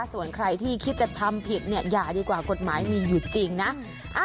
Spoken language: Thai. ส่วนใครที่คิดจะทำผิดเนี่ยอย่าดีกว่ากฎหมายมีอยู่จริงนะ